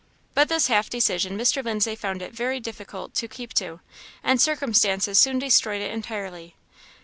But this half decision Mr. Lindsay found it very difficult to keep to, and circumstances soon destroyed it entirely.